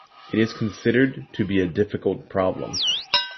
It is considered to be a difficult problem.